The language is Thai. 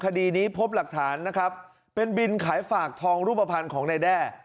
คดีนี้พบหลักฐานนะครับเป็นบินขายฝากทองรูปภัณฑ์ของนายแด้